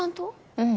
うん。